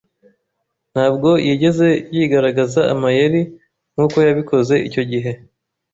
ntabwo yigeze yigaragaza amayeri nkuko yabikoze icyo gihe.